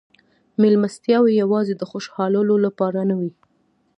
مېلمستیاوې یوازې د خوشحالولو لپاره نه وې.